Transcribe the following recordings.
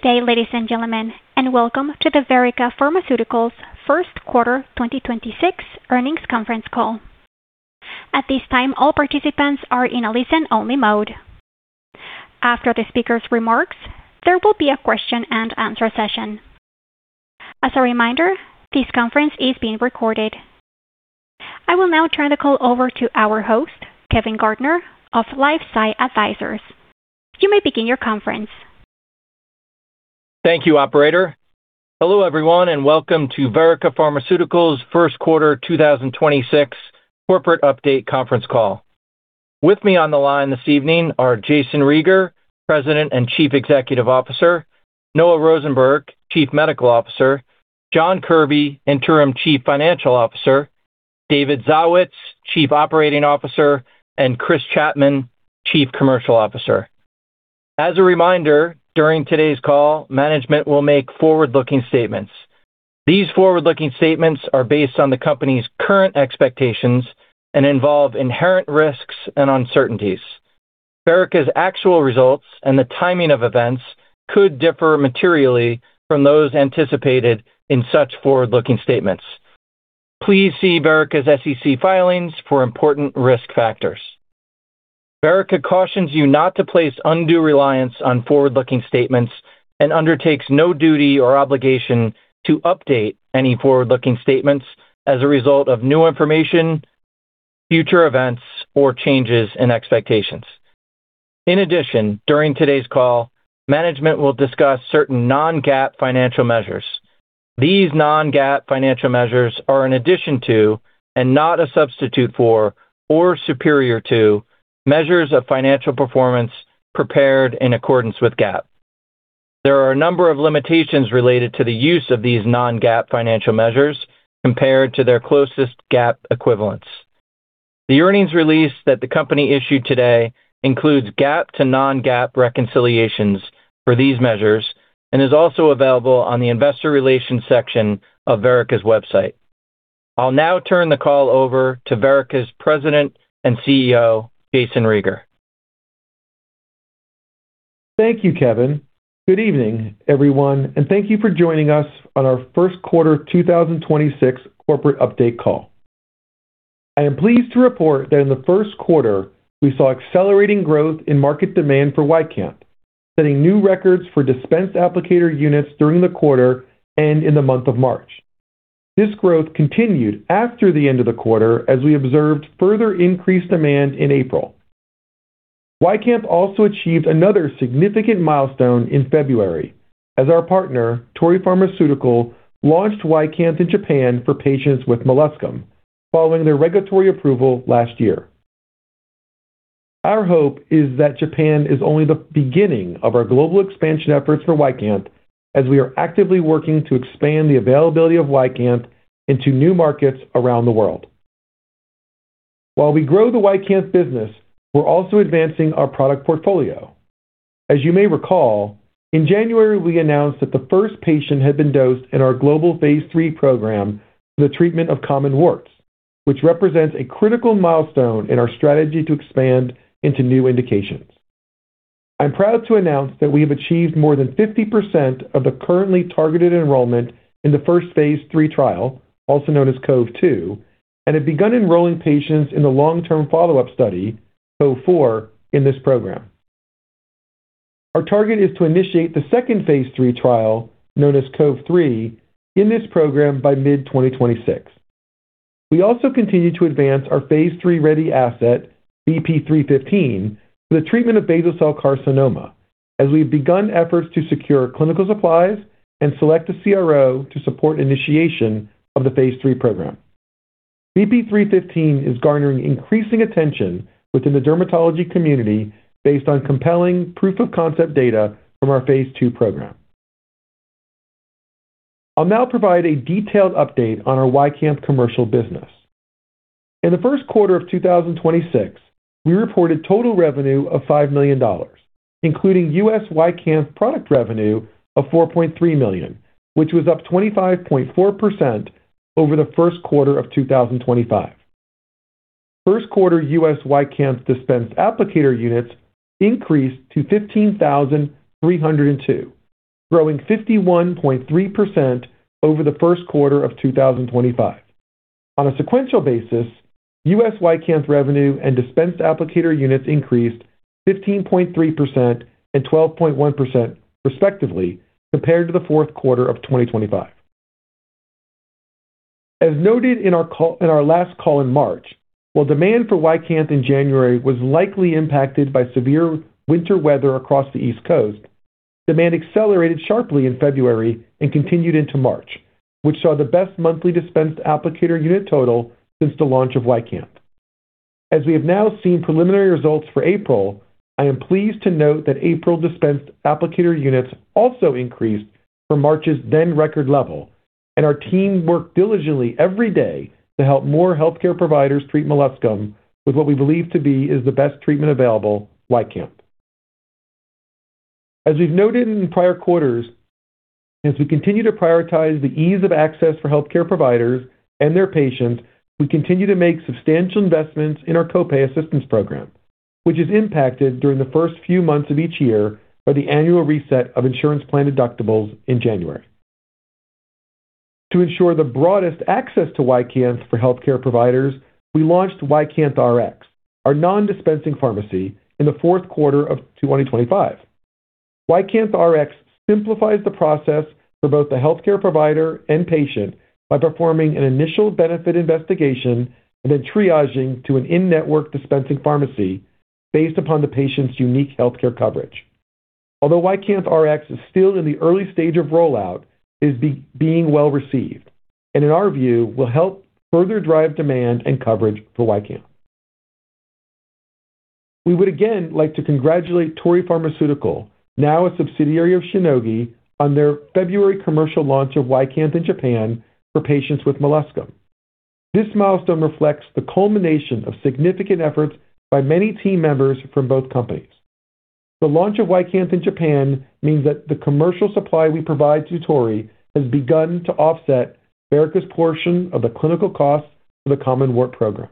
Today, ladies and gentlemen, and welcome to the Verrica Pharmaceuticals First Quarter 2026 Earnings Conference Call. At this time, all participants are in a listen-only mode. After the speaker's remarks, there will be a question-and-answer session. As a reminder, this conference is being recorded. I will now turn the call over to our host, Kevin Gardner of LifeSci Advisors. You may begin your conference. Thank you, operator. Hello, everyone, welcome to Verrica Pharmaceuticals First Quarter 2026 Corporate Update Conference Call. With me on the line this evening are Jayson Rieger, President and Chief Executive Officer, Noah Rosenberg, Chief Medical Officer, John Kirby, Interim Chief Financial Officer, David Zawitz, Chief Operating Officer, and Chris Chapman, Chief Commercial Officer. As a reminder, during today's call, management will make forward-looking statements. These forward-looking statements are based on the company's current expectations and involve inherent risks and uncertainties. Verrica's actual results and the timing of events could differ materially from those anticipated in such forward-looking statements. Please see Verrica's SEC filings for important risk factors. Verrica cautions you not to place undue reliance on forward-looking statements and undertakes no duty or obligation to update any forward-looking statements as a result of new information, future events, or changes in expectations. In addition, during today's call, management will discuss certain non-GAAP financial measures. These non-GAAP financial measures are an addition to and not a substitute for or superior to measures of financial performance prepared in accordance with GAAP. There are a number of limitations related to the use of these non-GAAP financial measures compared to their closest GAAP equivalents. The earnings release that the company issued today includes GAAP to non-GAAP reconciliations for these measures and is also available on the investor relations section of Verrica's website. I'll now turn the call over to Verrica's President and CEO, Jayson Rieger. Thank you, Kevin. Good evening, everyone, thank you for joining us on our First Quarter 2026 Corporate Update Call. I am pleased to report that in the first quarter, we saw accelerating growth in market demand for YCANTH, setting new records for dispensed applicator units during the quarter and in the month of March. This growth continued after the end of the quarter as we observed further increased demand in April. YCANTH also achieved another significant milestone in February as our partner, Torii Pharmaceutical, launched YCANTH in Japan for patients with molluscum following their regulatory approval last year. Our hope is that Japan is only the beginning of our global expansion efforts for YCANTH as we are actively working to expand the availability of YCANTH into new markets around the world. While we grow the YCANTH business, we're also advancing our product portfolio. As you may recall, in January, we announced that the first patient had been dosed in our global phase III program for the treatment of common warts, which represents a critical milestone in our strategy to expand into new indications. I'm proud to announce that we have achieved more than 50% of the currently targeted enrollment in the first phase III trial, also known as COVE-2, and have begun enrolling patients in the long-term follow-up study, COVE-4, in this program. Our target is to initiate the second phase III trial, known as COVE-3, in this program by mid-2026. We also continue to advance our phase III-ready asset, VP-315, for the treatment of basal cell carcinoma as we've begun efforts to secure clinical supplies and select a CRO to support initiation of the phase III program. VP-315 is garnering increasing attention within the dermatology community based on compelling proof-of-concept data from our phase II program. I'll now provide a detailed update on our YCANTH commercial business. In the first quarter of 2026, we reported total revenue of $5 million, including U.S. YCANTH product revenue of $4.3 million, which was up 25.4% over the first quarter of 2025. First quarter U.S. YCANTH dispensed applicator units increased to 15,302, growing 51.3% over the first quarter of 2025. On a sequential basis, U.S. YCANTH revenue and dispensed applicator units increased 15.3% and 12.1% respectively compared to the fourth quarter of 2025. As noted in our last call in March, while demand for YCANTH in January was likely impacted by severe winter weather across the East Coast, demand accelerated sharply in February and continued into March, which saw the best monthly dispensed applicator unit total since the launch of YCANTH. As we have now seen preliminary results for April, I am pleased to note that April dispensed applicator units also increased from March's then record level, and our team worked diligently every day to help more healthcare providers treat molluscum with what we believe to be is the best treatment available, YCANTH. As you've noted in prior quarters, as we continue to prioritize the ease of access for healthcare providers and their patients, we continue to make substantial investments in our co-pay assistance program, which is impacted during the first few months of each year by the annual reset of insurance plan deductibles in January. To ensure the broadest access to YCANTH for healthcare providers, we launched YcanthRx, our non-dispensing pharmacy, in the fourth quarter of 2025. YcanthRx simplifies the process for both the healthcare provider and patient by performing an initial benefit investigation and then triaging to an in-network dispensing pharmacy based upon the patient's unique healthcare coverage. YcanthRx is still in the early stage of rollout, it is being well-received, and in our view, will help further drive demand and coverage for YCANTH. We would again like to congratulate Torii Pharmaceutical, now a subsidiary of Shionogi, on their February commercial launch of YCANTH in Japan for patients with molluscum. This milestone reflects the culmination of significant efforts by many team members from both companies. The launch of YCANTH in Japan means that the commercial supply we provide to Torii has begun to offset Verrica's portion of the clinical costs for the common wart program.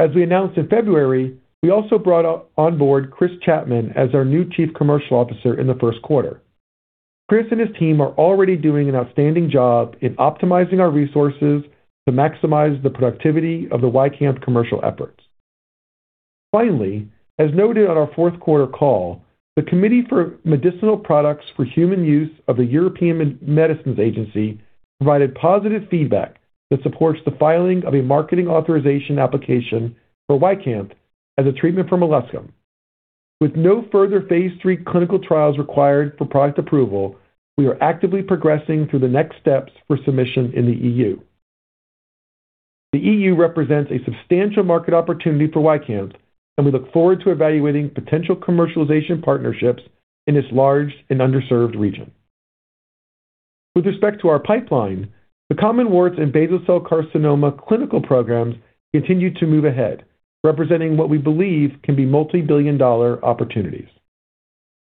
As we announced in February, we also brought onboard Chris Chapman as our new Chief Commercial Officer in the first quarter. Chris and his team are already doing an outstanding job in optimizing our resources to maximize the productivity of the YCANTH commercial efforts. Finally, as noted on our fourth quarter call, the Committee for Medicinal Products for Human Use of the European Medicines Agency provided positive feedback that supports the filing of a Marketing Authorisation Application for YCANTH as a treatment for molluscum. With no further phase III clinical trials required for product approval, we are actively progressing through the next steps for submission in the EU. The EU represents a substantial market opportunity for YCANTH, and we look forward to evaluating potential commercialization partnerships in this large and underserved region. With respect to our pipeline, the common warts and basal cell carcinoma clinical programs continue to move ahead, representing what we believe can be multi-billion-dollar opportunities.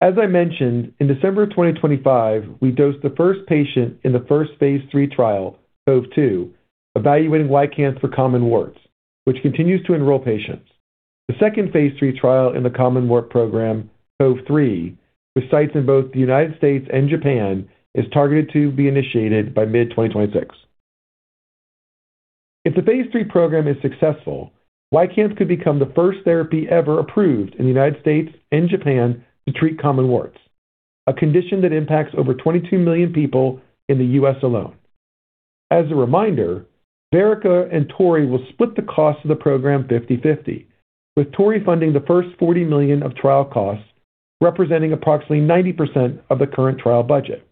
As I mentioned, in December of 2025, we dosed the first patient in the first phase III trial, COVE-2, evaluating YCANTH for common warts, which continues to enroll patients. The second phase III trial in the common wart program, COVE-3, with sites in both the U.S. and Japan, is targeted to be initiated by mid-2026. If the phase III program is successful, YCANTH could become the first therapy ever approved in the United States and Japan to treat common warts, a condition that impacts over 22 million people in the U.S. alone. As a reminder, Verrica and Torii will split the cost of the program 50/50, with Torii funding the first $40 million of trial costs, representing approximately 90% of the current trial budget.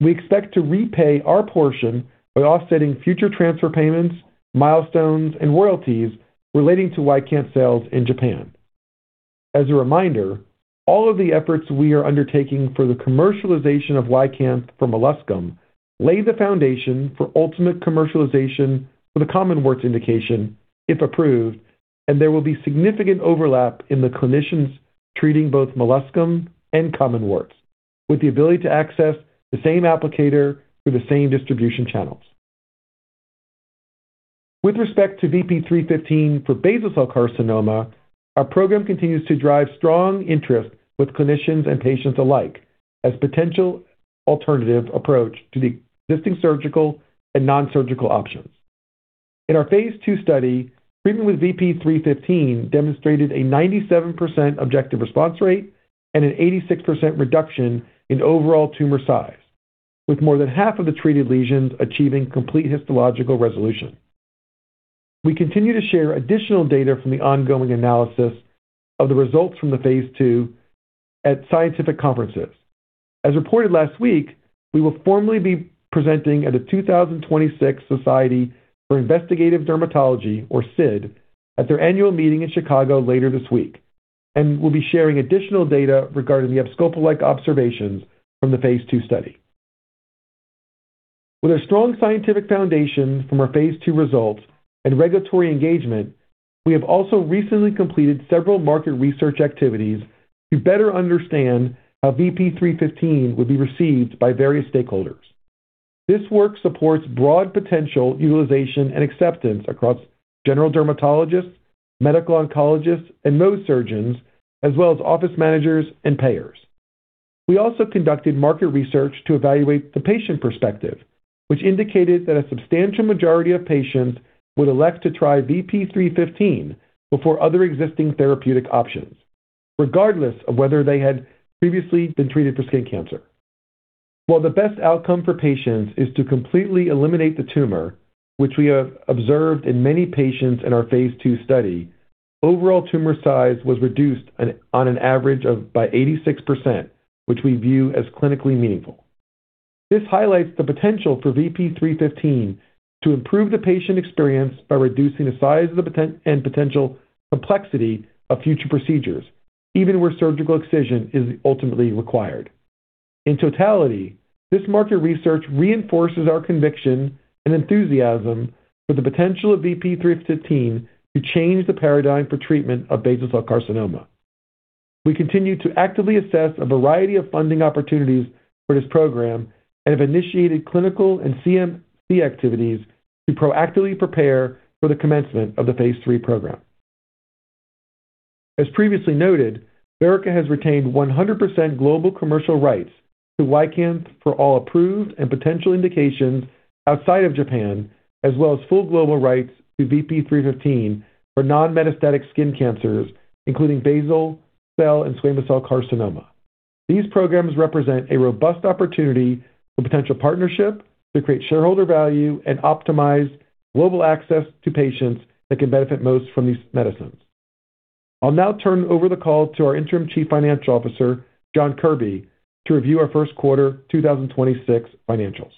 We expect to repay our portion by offsetting future transfer payments, milestones, and royalties relating to YCANTH sales in Japan. As a reminder, all of the efforts we are undertaking for the commercialization of YCANTH for molluscum lay the foundation for ultimate commercialization for the common warts indication, if approved, and there will be significant overlap in the clinicians treating both molluscum and common warts, with the ability to access the same applicator through the same distribution channels. With respect to VP-315 for basal cell carcinoma, our program continues to drive strong interest with clinicians and patients alike as potential alternative approach to the existing surgical and non-surgical options. In our phase II study, treatment with VP-315 demonstrated a 97% objective response rate and an 86% reduction in overall tumor size, with more than half of the treated lesions achieving complete histological resolution. We continue to share additional data from the ongoing analysis of the results from the phase II at scientific conferences. As reported last week, we will formally be presenting at the 2026 Society for Investigative Dermatology, or SID, at their annual meeting in Chicago later this week. We'll be sharing additional data regarding the abscopal-like observations from the phase II study. With a strong scientific foundation from our phase II results and regulatory engagement, we have also recently completed several market research activities to better understand how VP-315 would be received by various stakeholders. This work supports broad potential utilization and acceptance across general dermatologists, medical oncologists, and Mohs surgeons, as well as office managers and payers. We also conducted market research to evaluate the patient perspective, which indicated that a substantial majority of patients would elect to try VP-315 before other existing therapeutic options, regardless of whether they had previously been treated for skin cancer. While the best outcome for patients is to completely eliminate the tumor, which we have observed in many patients in our phase II study, overall tumor size was reduced on an average of by 86%, which we view as clinically meaningful. This highlights the potential for VP-315 to improve the patient experience by reducing the size of the and potential complexity of future procedures, even where surgical excision is ultimately required. In totality, this market research reinforces our conviction and enthusiasm for the potential of VP-315 to change the paradigm for treatment of basal cell carcinoma. We continue to actively assess a variety of funding opportunities for this program and have initiated clinical and CMC activities to proactively prepare for the commencement of the phase III program. As previously noted, Verrica has retained 100% global commercial rights to YCANTH for all approved and potential indications outside of Japan, as well as full global rights to VP-315 for non-metastatic skin cancers, including basal cell and squamous cell carcinoma. These programs represent a robust opportunity for potential partnership to create shareholder value and optimize global access to patients that can benefit most from these medicines. I'll now turn over the call to our Interim Chief Financial Officer, John Kirby, to review our first quarter 2026 financials.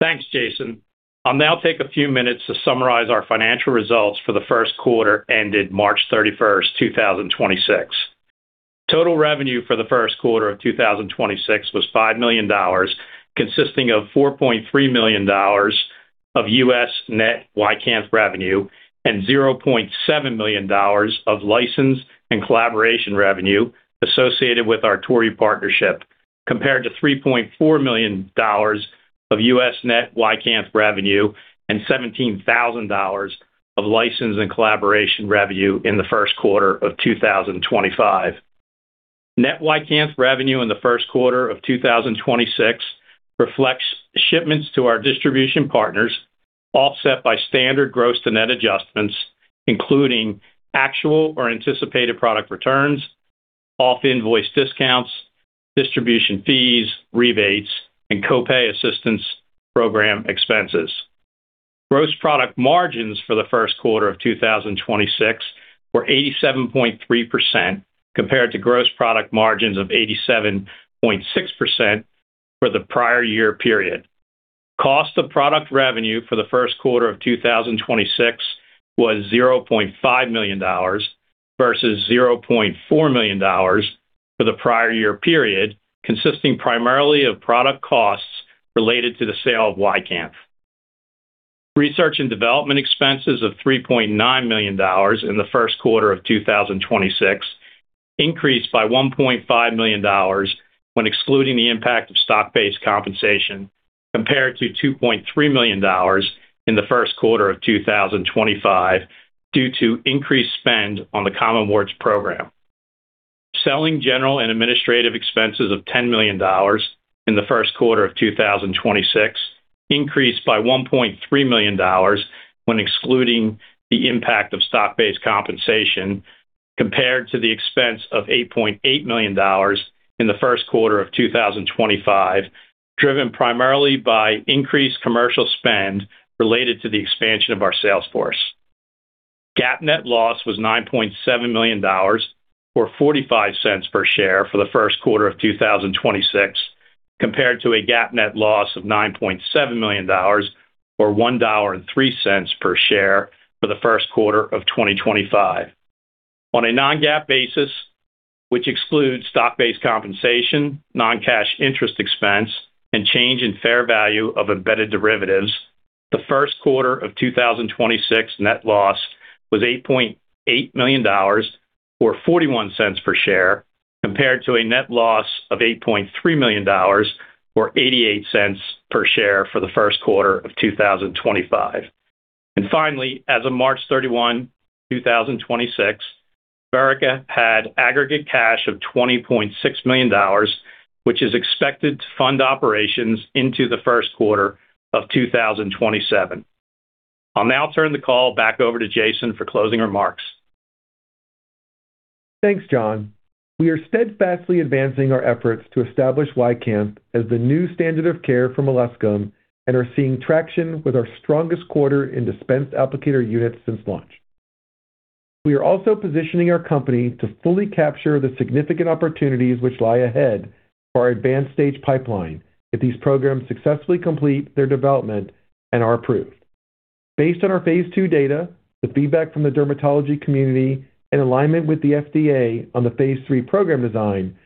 Thanks, Jayson. I'll now take a few minutes to summarize our financial results for the first quarter ended March 31st, 2026. Total revenue for the first quarter of 2026 was $5 million, consisting of $4.3 million of U.S. net YCANTH revenue and $0.7 million of license and collaboration revenue associated with our Torii partnership, compared to $3.4 million of U.S. net YCANTH revenue and $17,000 of license and collaboration revenue in the first quarter of 2025. Net YCANTH revenue in the first quarter of 2026 reflects shipments to our distribution partners, offset by standard gross to net adjustments, including actual or anticipated product returns, off-invoice discounts, distribution fees, rebates, and co-pay assistance program expenses. Gross product margins for the first quarter of 2026 were 87.3% compared to gross product margins of 87.6% for the prior year period. Cost of product revenue for the first quarter of 2026 was $0.5 million versus $0.4 million for the prior year period, consisting primarily of product costs related to the sale of YCANTH. Research and development expenses of $3.9 million in the first quarter of 2026 increased by $1.5 million when excluding the impact of stock-based compensation, compared to $2.3 million in the first quarter of 2025 due to increased spend on the Common Warts program. Selling, general, and administrative expenses of $10 million in the first quarter of 2026 increased by $1.3 million when excluding the impact of stock-based compensation, compared to the expense of $8.8 million in the first quarter of 2025, driven primarily by increased commercial spend related to the expansion of our sales force. GAAP net loss was $9.7 million, or $0.45 per share for the first quarter of 2026, compared to a GAAP net loss of $9.7 million or $1.03 per share for the first quarter of 2025. On a non-GAAP basis, which excludes stock-based compensation, non-cash interest expense, and change in fair value of embedded derivatives, the first quarter of 2026 net loss was $8.8 million or $0.41 per share, compared to a net loss of $8.3 million or $0.88 per share for the first quarter of 2025. Finally, as of March 31, 2026, Verrica had aggregate cash of $20.6 million, which is expected to fund operations into the first quarter of 2027. I'll now turn the call back over to Jayson for closing remarks. Thanks, John. We are steadfastly advancing our efforts to establish YCANTH as the new standard of care for molluscum and are seeing traction with our strongest quarter in dispensed applicator units since launch. We are also positioning our company to fully capture the significant opportunities which lie ahead for our advanced stage pipeline if these programs successfully complete their development and are approved. Based on our phase II data, the feedback from the dermatology community, and alignment with the FDA on the phase III program design,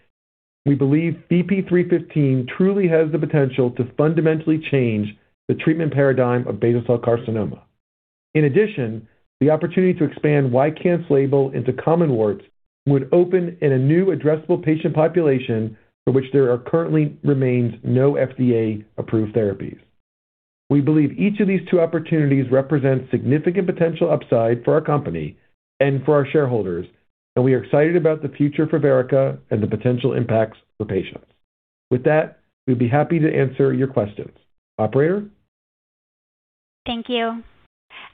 we believe VP-315 truly has the potential to fundamentally change the treatment paradigm of basal cell carcinoma. In addition, the opportunity to expand YCANTH label into common warts would open in a new addressable patient population for which there are currently remains no FDA-approved therapies. We believe each of these two opportunities represents significant potential upside for our company and for our shareholders, and we are excited about the future for Verrica and the potential impacts for patients. With that, we'd be happy to answer your questions. Operator? Thank you.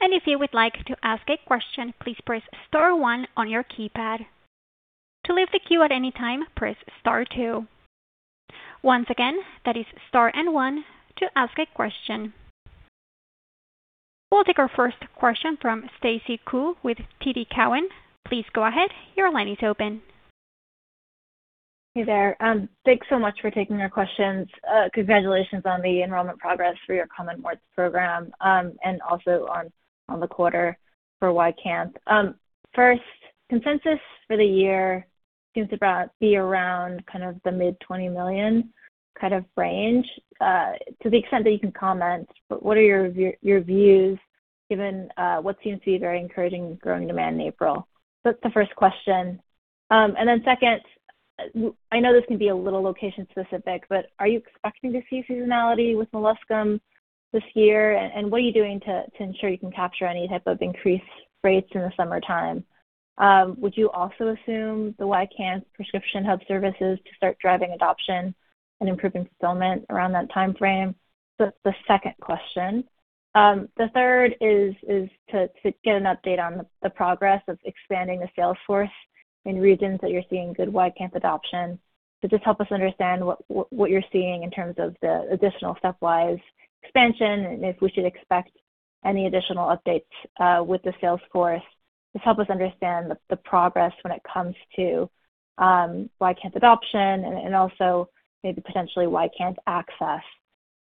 If you would like to ask a question, please press star one on your keypad. To leave the queue at any time, press star two. Once again, that is star and one to ask a question. We'll take our first question from Stacy Ku with TD Cowen. Please go ahead. Your line is open. Hey there. Thanks so much for taking our questions. Congratulations on the enrollment progress for your common warts program, and also on the quarter for YCANTH. First, consensus for the year seems to about be around the mid $20 million range. To the extent that you can comment, what are your views given what seems to be very encouraging growing demand in April? That's the first question. Second, I know this can be a little location-specific, but are you expecting to see seasonality with molluscum this year? And what are you doing to ensure you can capture any type of increased rates in the summertime? Would you also assume the YCANTH prescription hub services to start driving adoption and improve fulfillment around that timeframe? That's the second question. The third is to get an update on the progress of expanding the sales force in regions that you're seeing good YCANTH adoption. To just help us understand what you're seeing in terms of the additional step-wise expansion and if we should expect any additional updates with the sales force. Just help us understand the progress when it comes to YCANTH adoption and also maybe potentially YCANTH access.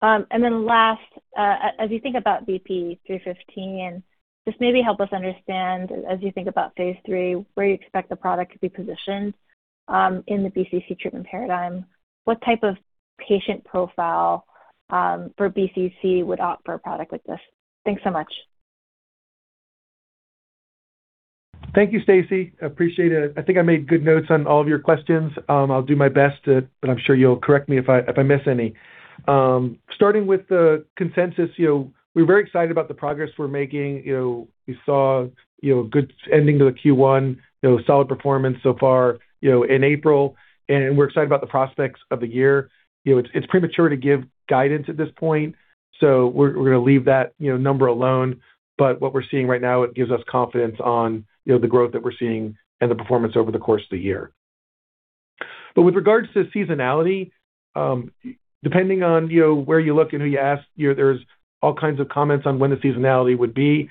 As you think about VP-315, just maybe help us understand as you think about phase III, where you expect the product to be positioned in the BCC treatment paradigm. What type of patient profile for BCC would opt for a product like this? Thanks so much. Thank you, Stacy. I appreciate it. I think I made good notes on all of your questions. I'll do my best, but I'm sure you'll correct me if I miss any. Starting with the consensus, you know, we're very excited about the progress we're making. You know, we saw, you know, a good ending to the Q1, you know, solid performance so far, you know, in April. We're excited about the prospects of the year. You know, it's premature to give guidance at this point, so we're gonna leave that, you know, number alone. What we're seeing right now, it gives us confidence on, you know, the growth that we're seeing and the performance over the course of the year. With regards to seasonality, depending on, you know, where you look and who you ask, you know, there's all kinds of comments on when the seasonality would be.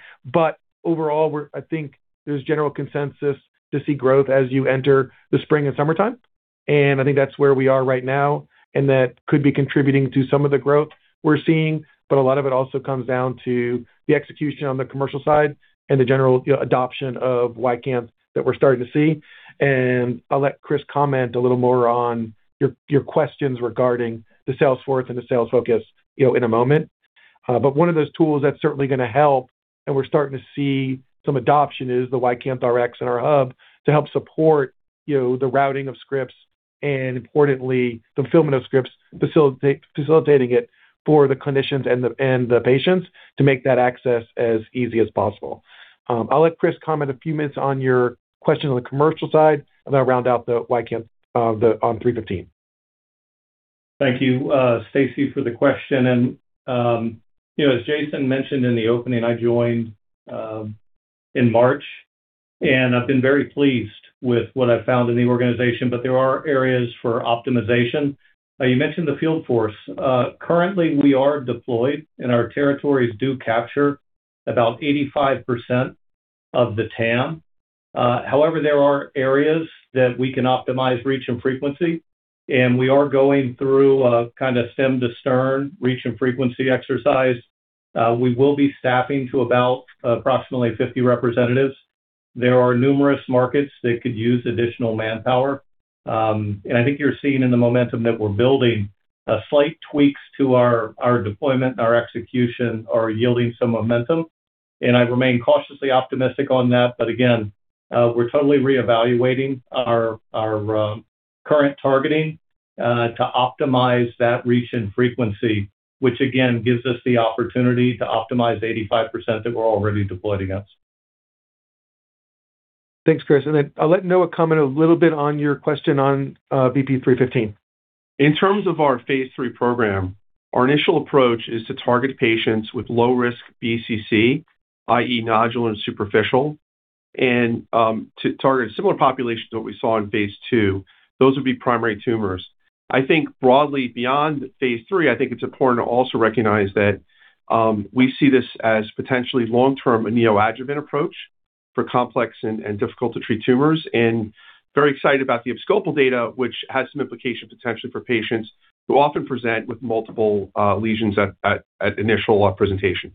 Overall, I think there's general consensus to see growth as you enter the spring and summertime, and I think that's where we are right now, and that could be contributing to some of the growth we're seeing. A lot of it also comes down to the execution on the commercial side and the general, you know, adoption of YCANTH that we're starting to see. I'll let Chris comment a little more on your questions regarding the sales force and the sales focus, you know, in a moment. One of those tools that's certainly gonna help, and we're starting to see some adoption, is the YcanthRx in our hub to help support, you know, the routing of scripts and importantly, fulfillment of scripts, facilitating it for the clinicians and the, and the patients to make that access as easy as possible. I'll let Chris comment a few minutes on your question on the commercial side, and then I'll round out the YCANTH on VP-315. Thank you, Stacy, for the question. You know, as Jayson mentioned in the opening, I joined in March, and I've been very pleased with what I've found in the organization, but there are areas for optimization. You mentioned the field force. Currently, we are deployed, and our territories do capture about 85% of the TAM. However, there are areas that we can optimize reach and frequency, and we are going through a kind of stem-to-stern reach and frequency exercise. We will be staffing to about approximately 50 representatives. There are numerous markets that could use additional manpower. I think you're seeing in the momentum that we're building, slight tweaks to our deployment and our execution are yielding some momentum. I remain cautiously optimistic on that. Again, we're totally reevaluating our, current targeting, to optimize that reach and frequency, which again gives us the opportunity to optimize 85% that we're already deployed against. Thanks, Chris. I'll let Noah comment a little bit on your question on VP-315. In terms of our phase III program, our initial approach is to target patients with low-risk BCC, i.e. nodular and superficial, and to target similar populations that we saw in phase II. Those would be primary tumors. I think broadly beyond phase III, I think it's important to also recognize that we see this as potentially long-term neoadjuvant approach for complex and difficult-to-treat tumors. Very excited about the abscopal data, which has some implication potentially for patients who often present with multiple lesions at initial presentation.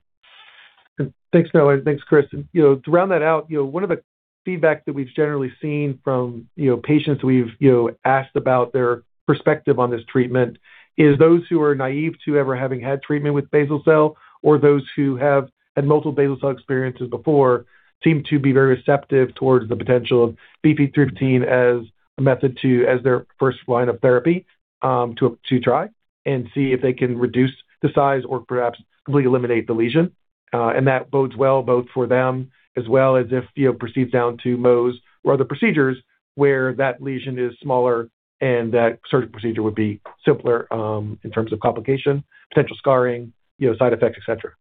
Thanks, Noah. Thanks, Chris. You know, to round that out, you know, one of the feedback that we've generally seen from, you know, patients we've, you know, asked about their perspective on this treatment is those who are naive to ever having had treatment with basal cell or those who have had multiple basal cell experiences before seem to be very receptive towards the potential of VP-315 as their first line of therapy, to try and see if they can reduce the size or perhaps completely eliminate the lesion. That bodes well both for them as well as if, you know, proceeds down to Mohs or other procedures where that lesion is smaller and that certain procedure would be simpler, in terms of complication, potential scarring, you know, side effects, etc.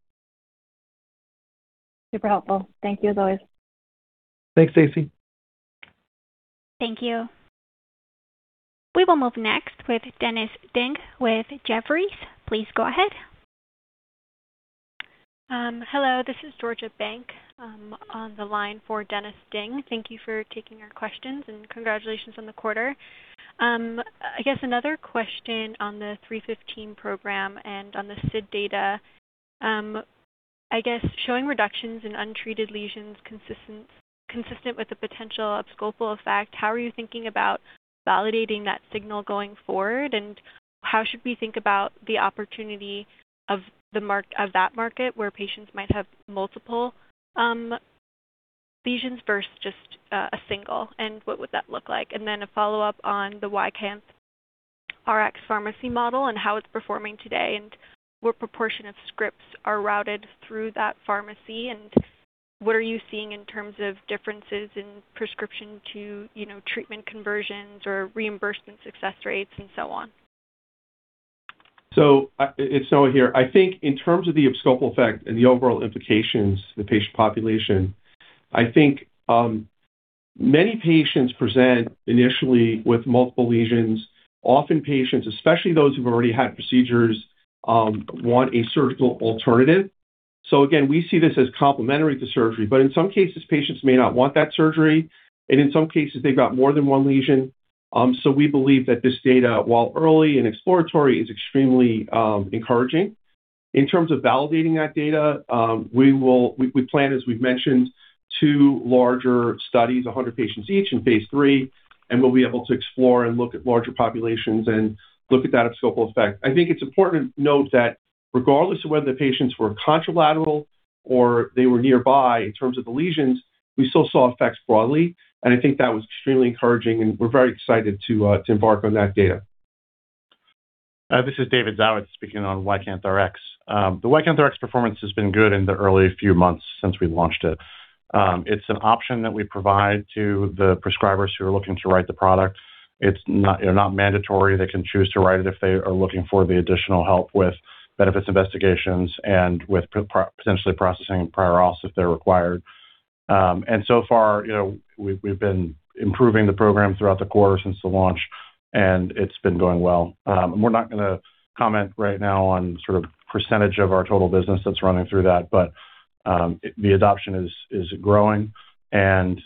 Super helpful. Thank you as always. Thanks, Stacy. Thank you. We will move next with Dennis Ding with Jefferies. Please go ahead. Hello, this is Georgia Bank on the line for Dennis Ding. Thank you for taking our questions. Congratulations on the quarter. I guess another question on the VP-315 program and on the SID data. I guess showing reductions in untreated lesions consistent with the potential abscopal effect, how are you thinking about validating that signal going forward? How should we think about the opportunity of that market where patients might have multiple lesions versus just a single and what would that look like? A follow-up on the YcanthRx pharmacy model and how it's performing today and what proportion of scripts are routed through that pharmacy. What are you seeing in terms of differences in prescription to, you know, treatment conversions or reimbursement success rates and so on? It's Noah here. I think in terms of the abscopal effect and the overall implications for the patient population, I think many patients present initially with multiple lesions. Often patients, especially those who've already had procedures, want a surgical alternative. Again, we see this as complementary to surgery, but in some cases patients may not want that surgery and in some cases they've got more than one lesion. We believe that this data, while early and exploratory, is extremely encouraging. In terms of validating that data, we plan, as we've mentioned, two larger studies, 100 patients each in phase III, and we'll be able to explore and look at larger populations and look at that abscopal effect. I think it's important to note that regardless of whether the patients were contralateral or they were nearby in terms of the lesions, we still saw effects broadly, and I think that was extremely encouraging, and we're very excited to embark on that data. This is David Zawitz speaking on YcanthRx. The YcanthRx performance has been good in the early few months since we launched it. It's an option that we provide to the prescribers who are looking to write the product. It's not, you know, not mandatory. They can choose to write it if they are looking for the additional help with benefits investigations and with potentially processing prior auths if they're required. So far, you know, we've been improving the program throughout the quarter since the launch, and it's been going well. We're not gonna comment right now on sort of percentage of our total business that's running through that. The adoption is growing and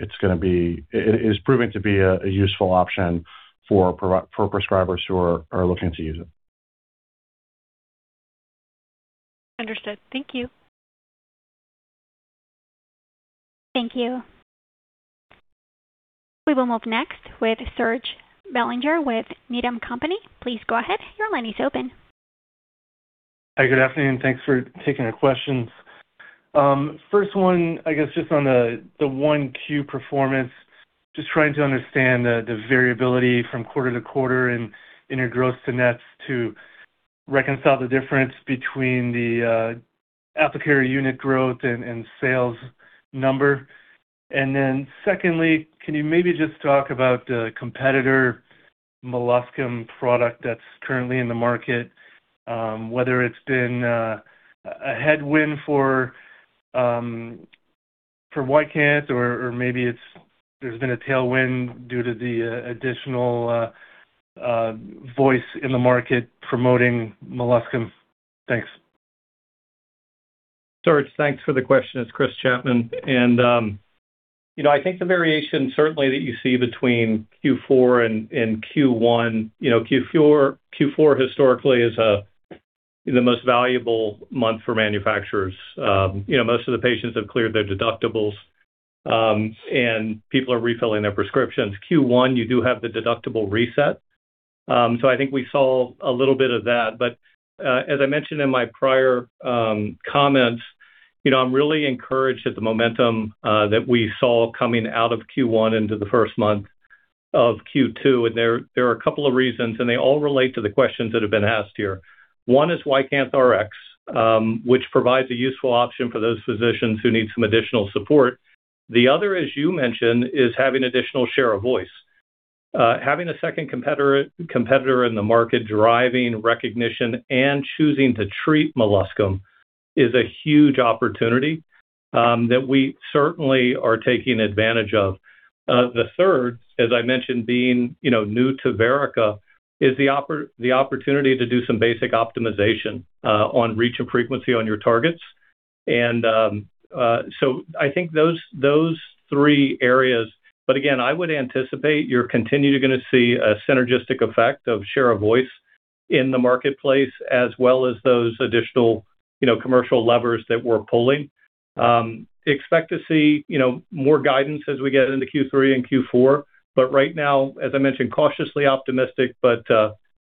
It is proving to be a useful option for prescribers who are looking to use it. Understood. Thank you. Thank you. We will move next with Serge Belanger with Needham & Company. Please go ahead. Your line is open. Hi, good afternoon. Thanks for taking the questions. First one, I guess just on the 1Q performance, just trying to understand the variability from quarter to quarter in your gross to nets to reconcile the difference between the applicator unit growth and sales number. Secondly, can you maybe just talk about the competitor molluscum product that's currently in the market, whether it's been a headwind for YCANTH or maybe it's there's been a tailwind due to the additional voice in the market promoting molluscum? Thanks. Serge, thanks for the question. It's Chris Chapman. You know, I think the variation certainly that you see between Q4 and Q1. You know, Q4 historically is the most valuable month for manufacturers. You know, most of the patients have cleared their deductibles and people are refilling their prescriptions. Q1, you do have the deductible reset. I think we saw a little bit of that. As I mentioned in my prior comments, you know, I'm really encouraged at the momentum that we saw coming out of Q1 into the first month of Q2. There are a couple of reasons, and they all relate to the questions that have been asked here. One is YcanthRx, which provides a useful option for those physicians who need some additional support. The other, as you mentioned, is having additional share of voice. Having a second competitor in the market driving recognition and choosing to treat molluscum is a huge opportunity that we certainly are taking advantage of. The third, as I mentioned, being, you know, new to Verrica, is the opportunity to do some basic optimization on reach and frequency on your targets. I think those three areas. Again, I would anticipate you're continue to gonna see a synergistic effect of share of voice in the marketplace as well as those additional, you know, commercial levers that we're pulling. Expect to see, you know, more guidance as we get into Q3 and Q4. Right now, as I mentioned, cautiously optimistic, but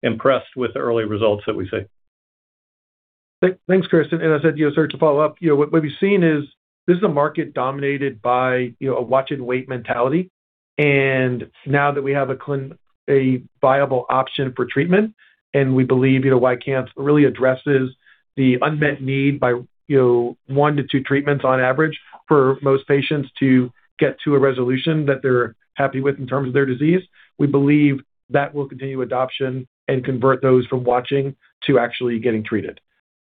impressed with the early results that we see. Thanks, Chris. As I said, you know, Serge, to follow up, you know, what we've seen is this is a market dominated by, you know, a watch and wait mentality. Now that we have a viable option for treatment, and we believe, you know, YCANTH really addresses the unmet need by, you know, one to two treatments on average for most patients to get to a resolution that they're happy with in terms of their disease. We believe that will continue adoption and convert those from watching to actually getting treated.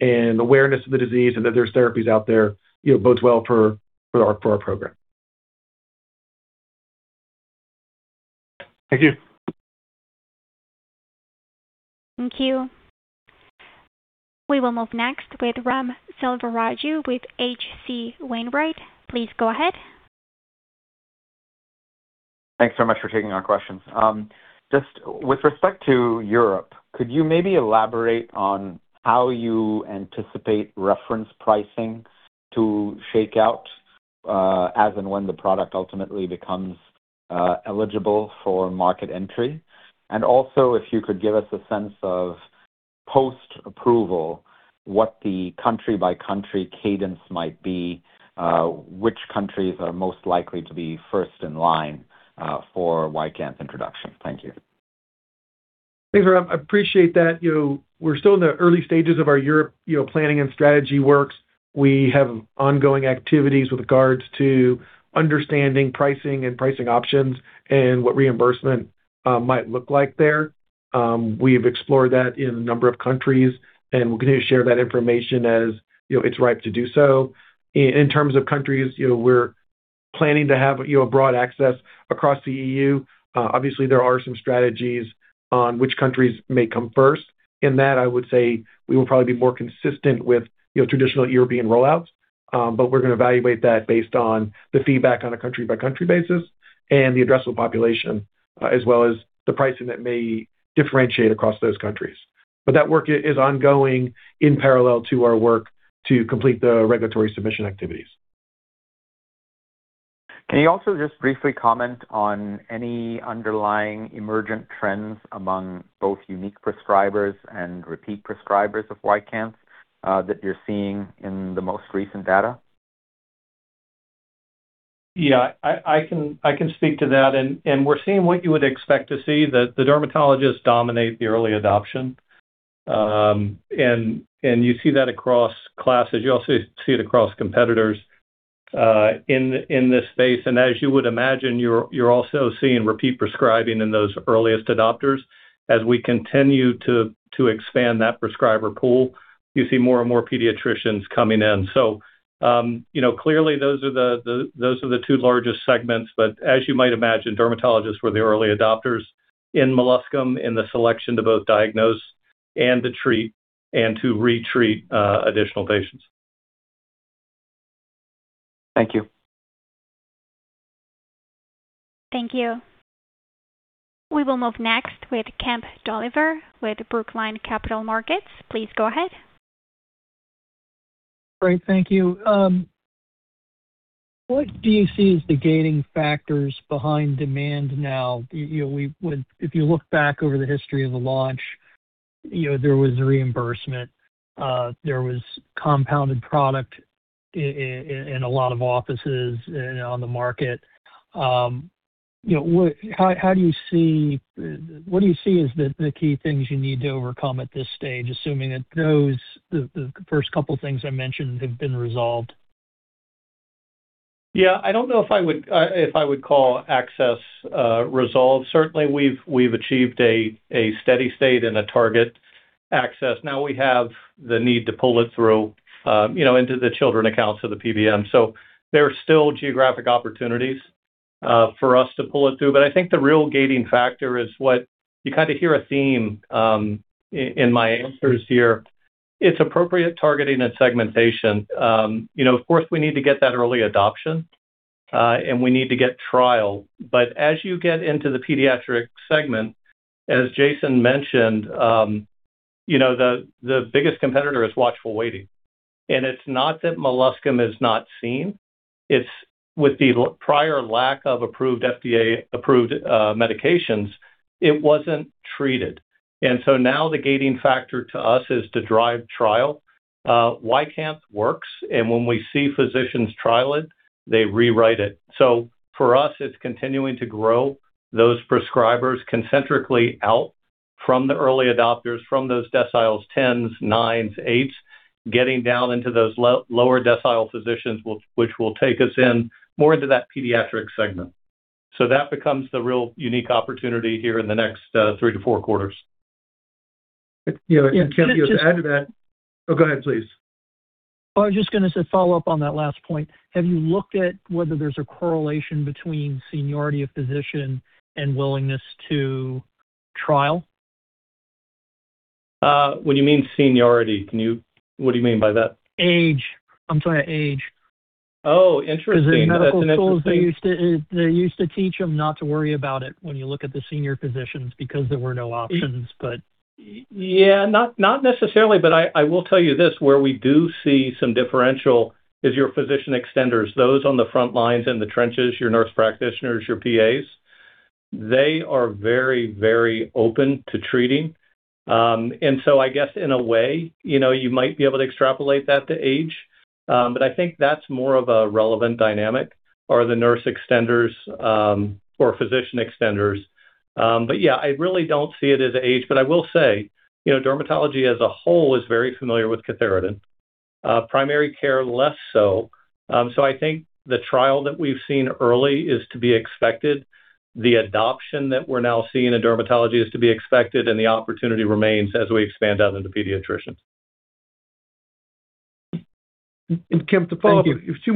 Awareness of the disease and that there's therapies out there, you know, bodes well for our program. Thank you. Thank you. We will move next with Ram Selvaraju with H.C. Wainwright. Please go ahead. Thanks so much for taking our questions. Just with respect to Europe, could you maybe elaborate on how you anticipate reference pricing to shake out as and when the product ultimately becomes eligible for market entry? Also, if you could give us a sense of post-approval, what the country-by-country cadence might be, which countries are most likely to be first in line for YCANTH introduction? Thank you. Thanks, Ram. I appreciate that. We're still in the early stages of our Europe planning and strategy works. We have ongoing activities with regards to understanding pricing and pricing options and what reimbursement might look like there. We've explored that in a number of countries, and we're going to share that information as it's right to do so. In terms of countries, we're planning to have broad access across the EU. Obviously, there are some strategies on which countries may come first. In that, I would say we will probably be more consistent with traditional European rollouts. We're going to evaluate that based on the feedback on a country-by-country basis and the addressable population, as well as the pricing that may differentiate across those countries. That work is ongoing in parallel to our work to complete the regulatory submission activities. Can you also just briefly comment on any underlying emergent trends among both unique prescribers and repeat prescribers of YCANTH that you're seeing in the most recent data? Yeah. I can speak to that. We're seeing what you would expect to see, that the dermatologists dominate the early adoption. You see that across classes. You also see it across competitors in this space. As you would imagine, you're also seeing repeat prescribing in those earliest adopters. As we continue to expand that prescriber pool, you see more and more pediatricians coming in. You know, clearly, those are the two largest segments. As you might imagine, dermatologists were the early adopters in molluscum in the selection to both diagnose and to treat and to retreat additional patients. Thank you. Thank you. We will move next with Kemp Dolliver with Brookline Capital Markets. Please go ahead. Great. Thank you. What do you see as the gating factors behind demand now? You know, if you look back over the history of the launch, you know, there was reimbursement, there was compounded product in a lot of offices and on the market. You know, how do you see, what do you see as the key things you need to overcome at this stage, assuming that those, the first couple of things I mentioned have been resolved? I don't know if I would, if I would call access resolved. Certainly, we've achieved a steady state and a target access. Now we have the need to pull it through, you know, into the children accounts of the PBM. There are still geographic opportunities for us to pull it through. I think the real gating factor is what you kind of hear a theme in my answers here. It's appropriate targeting and segmentation. You know, of course, we need to get that early adoption, and we need to get trial. As you get into the pediatric segment, as Jayson mentioned, you know, the biggest competitor is watchful waiting. It's not that molluscum is not seen. It's with the prior lack of approved FDA-approved medications, it wasn't treated. Now the gating factor to us is to drive trial. YCANTH works, and when we see physicians trial it, they rewrite it. For us, it's continuing to grow those prescribers concentrically out from the early adopters, from those deciles 10s, nines, eights, getting down into those lower decile physicians, which will take us in more into that pediatric segment. That becomes the real unique opportunity here in the next three to four quarters. Yeah. Kemp, to add to that. Oh, go ahead, please. I was just gonna say, follow up on that last point. Have you looked at whether there's a correlation between seniority of physician and willingness to trial? When you mean seniority, what do you mean by that? Age. I'm sorry, age. Oh, interesting. In medical schools, they used to teach them not to worry about it when you look at the senior physicians because there were no options. Yeah, not necessarily, I will tell you this, where we do see some differential is your physician extenders, those on the front lines in the trenches, your nurse practitioners, your PAs. They are very very open to treating. I guess in a way, you know, you might be able to extrapolate that to age. I think that's more of a relevant dynamic or the nurse extenders, or physician extenders. Yeah, I really don't see it as age. I will say, you know, dermatology as a whole is very familiar with cantharidin. Primary care, less so. I think the trial that we've seen early is to be expected. The adoption that we're now seeing in dermatology is to be expected, the opportunity remains as we expand out into pediatricians. Kemp, to follow up. Thank you. Two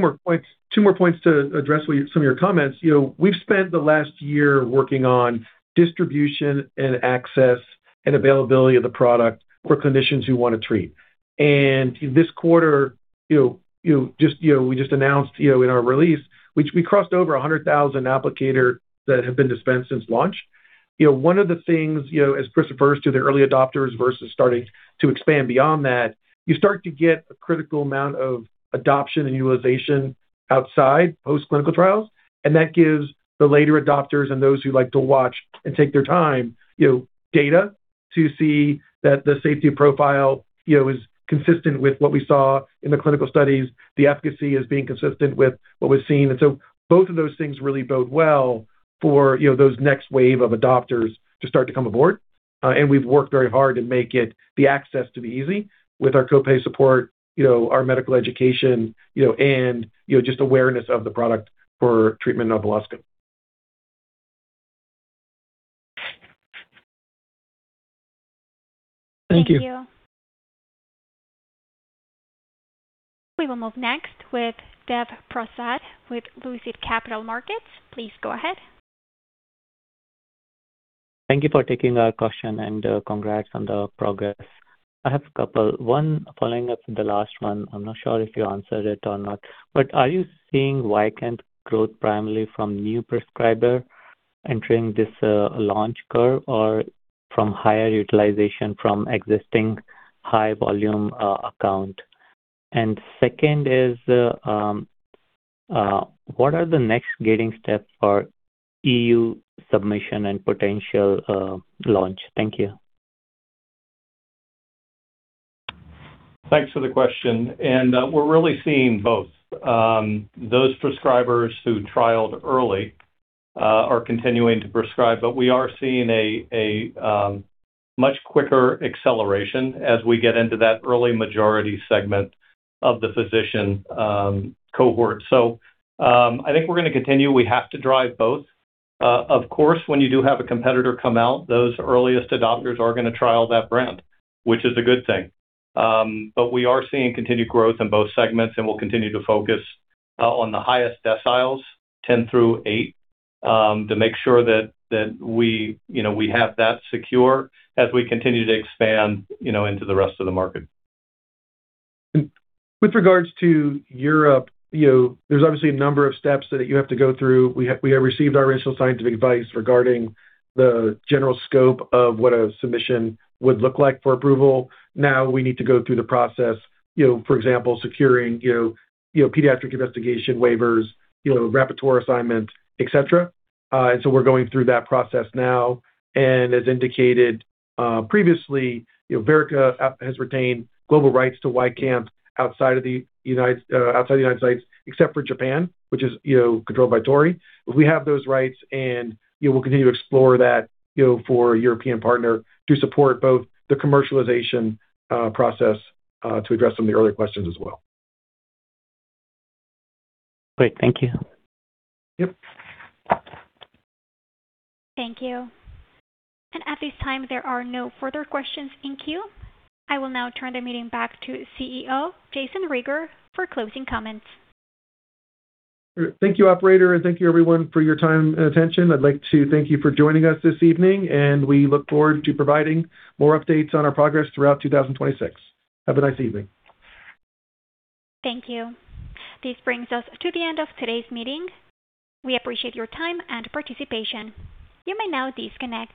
more points to address with some of your comments. You know, we've spent the last year working on distribution and access and availability of the product for clinicians who want to treat. We just announced, you know, in our release, which we crossed over 100,000 applicator that have been dispensed since launch. You know, one of the things, you know, as Chris refers to the early adopters versus starting to expand beyond that, you start to get a critical amount of adoption and utilization outside post-clinical trials. That gives the later adopters and those who like to watch and take their time, you know, data to see that the safety profile, you know, is consistent with what we saw in the clinical studies. The efficacy is being consistent with what we've seen. Both of those things really bode well for, you know, those next wave of adopters to start to come aboard. We've worked very hard to make it the access to be easy with our co-pay support, you know, our medical education, you know, and, you know, just awareness of the product for treatment of alopecia. Thank you. Thank you. We will move next with Dev Prasad with Lucid Capital Markets. Please go ahead. Thank you for taking our question. Congrats on the progress. I have a couple. One, following up with the last one. I'm not sure if you answered it or not. Are you seeing YCANTH growth primarily from new prescriber entering this launch curve or from higher utilization from existing high volume account? Second is, what are the next gating steps for EU submission and potential launch? Thank you. Thanks for the question. We're really seeing both. Those prescribers who trialed early are continuing to prescribe, but we are seeing a much quicker acceleration as we get into that early majority segment of the physician cohort. I think we're gonna continue. We have to drive both. Of course, when you do have a competitor come out, those earliest adopters are gonna trial that brand, which is a good thing. But we are seeing continued growth in both segments, and we'll continue to focus on the highest deciles, 10 through eight, to make sure that we, you know, we have that secure as we continue to expand, you know, into the rest of the market. With regards to Europe, you know, there's obviously a number of steps that you have to go through. We have received our initial scientific advice regarding the general scope of what a submission would look like for approval. We need to go through the process, you know, for example, securing, you know, pediatric investigation waivers, rapporteur assignment, etc. We're going through that process now. As indicated, previously, you know, Verrica has retained global rights to YCANTH outside the United States, except for Japan, which is, you know, controlled by Torii. We have those rights, and, you know, we'll continue to explore that, you know, for a European partner to support both the commercialization process to address some of the earlier questions as well. Great. Thank you. Yep. Thank you. At this time, there are no further questions in queue. I will now turn the meeting back to CEO, Jayson Rieger, for closing comments. Thank you, operator, and thank you everyone for your time and attention. I'd like to thank you for joining us this evening, and we look forward to providing more updates on our progress throughout 2026. Have a nice evening. Thank you. This brings us to the end of today's meeting. We appreciate your time and participation. You may now disconnect.